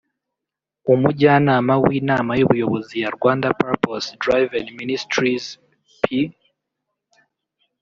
umujyanama w’inama y’ubuyobozi ya Rwanda Purpose Driven Ministries/P